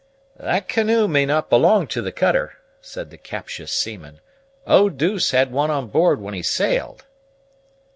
"That canoe may not belong to the cutter," said the captious seaman. "Oh deuce had one on board when he sailed."